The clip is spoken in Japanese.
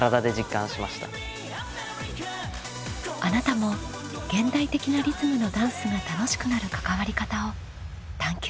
あなたも現代的なリズムのダンスが楽しくなる関わり方を探究してみませんか？